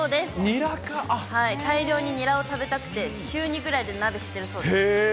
大量にニラを食べたくて、週２ぐらいで鍋してるそうです。